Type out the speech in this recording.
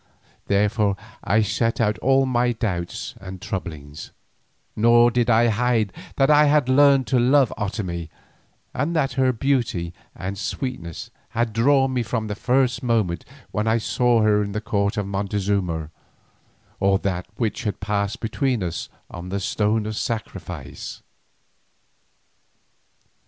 Therefore I set out all my doubts and troublings, nor did I hide that I had learned to love Otomie, and that her beauty and sweetness had drawn me from the first moment when I saw her in the court of Montezuma, or that which had passed between us on the stone of sacrifice.